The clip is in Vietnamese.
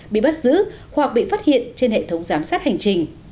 bị bắt giữ hoặc bị phát hiện trên hệ thống giám sát hành trình